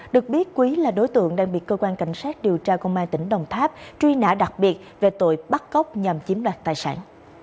được biết quý là đối tượng đang bị cơ quan cảnh sát điều tra công an tỉnh đồng tháp truy nã đặc biệt về tội bắt cóc nhằm chiếm đoạt tài sản